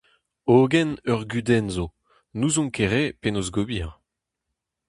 Hogen ur gudenn zo : n'ouzont ket re penaos ober.